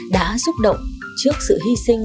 đã xúc động trước sự hy sinh